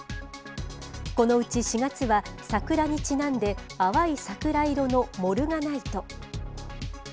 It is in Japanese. このうち４月は、桜にちなんで、淡い桜色のモルガナイト。